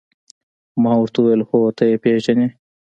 ما ورته وویل: هو، ته يې پېژنې؟